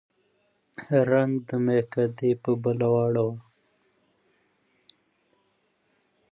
رنګ د مېکدې په بله واړوه